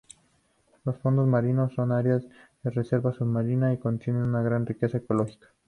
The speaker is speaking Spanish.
Los fondos marinos son área de reserva submarina y contienen una gran riqueza ecológica.